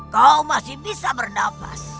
kau masih bisa bernafas